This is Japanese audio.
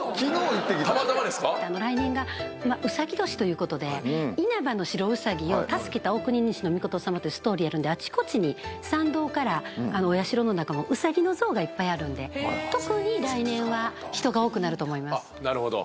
来年がうさぎ年ということで因幡の素兎を助けた大国主命さまというストーリーあるんであちこちに参道からお社の中もウサギの像がいっぱいあるんで特に来年は人が多くなると思います。